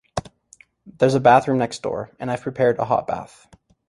There’s a bathroom next door, and I’ve prepared a hot bath.